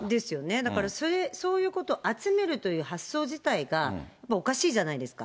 だから、そういうことを集めるという発想自体が、もうおかしいじゃないですか。